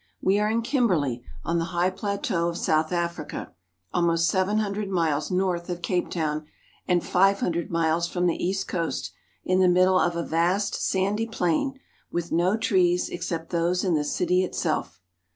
We are in Kimberley on the high plateau of South Africa, almost seven hundred miles north of Cape Town and five hundred miles from the east coast, in the middle of a vast, sandy plain, with no trees except those in the city itself.